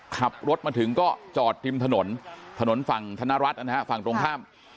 ขับรถมาถึงก็จอดริมถนนถนนฝั่งธนรัฐนะฮะฝั่งตรงข้าม